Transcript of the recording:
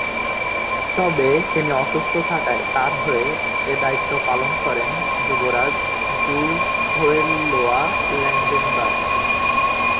তবে তিনি অসুস্থ থাকায় তাঁর হয়ে এ দায়িত্ব পালন করেন যুবরাজ জু হোয়েনলোয়া-ল্যাঙ্গেনবার্গ।